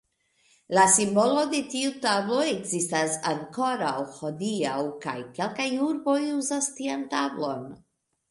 La simbolo de tiu tablo ekzistas ankoraŭ hodiaŭ kaj kelkaj urboj uzas tian tablon.